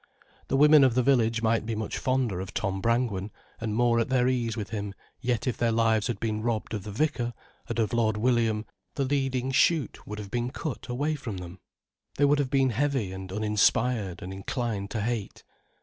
The women of the village might be much fonder of Tom Brangwen, and more at their ease with him, yet if their lives had been robbed of the vicar, and of Lord William, the leading shoot would have been cut away from them, they would have been heavy and uninspired and inclined to hate.